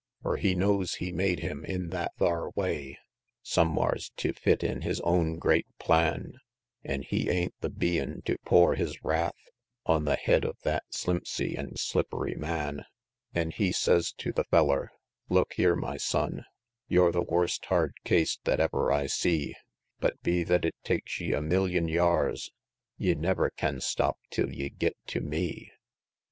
XIV. Fur He knows He made Him in that thar way, Somewhars tew fit In His own great plan, An' He ain't the Bein' tew pour His wrath On the head of thet slimpsy an' slippery man, An' He says tew the feller, "Look here, my son, You're the worst hard case that ever I see, But be thet it takes ye a million y'ars, Ye never can stop till ye git tew ME!"